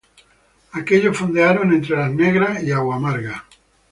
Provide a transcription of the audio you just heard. Aquellos fondearon entre Las Negras y Agua Amarga.